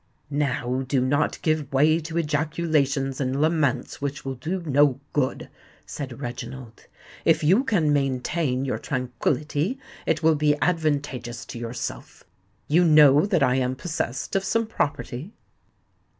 "Now do not give way to ejaculations and laments which will do no good," said Reginald. "If you can maintain your tranquillity it will be advantageous to yourself. You know that I am possessed of some property?"